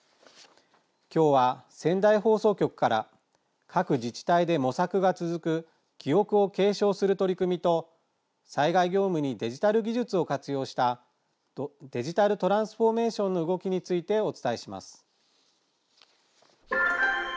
今日は仙台放送局から各自治体で模索が続く記憶を継承する取り組みと災害業務にデジタル技術を活用したデジタルトランスフォーメーションの動きについてお伝えします。